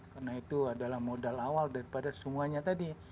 karena itu adalah modal awal daripada semuanya tadi